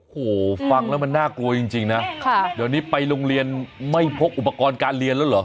โอ้โหฟังแล้วมันน่ากลัวจริงนะเดี๋ยวนี้ไปโรงเรียนไม่พกอุปกรณ์การเรียนแล้วเหรอ